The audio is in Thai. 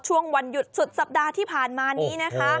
วันหยุดสุดสัปดาห์ที่ผ่านมานี้นะคะ